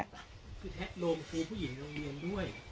อ๋อคือแท๊กโน้มคู่ผู้หญิงโรงเรียนด้วย